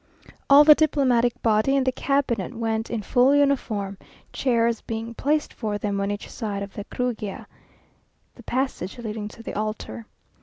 All the diplomatic body and the cabinet went in full uniform; chairs being placed for them on each side of the crugia (the passage leading to the altar).